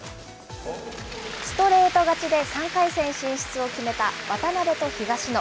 ストレート勝ちで３回戦進出を決めた渡辺と東野。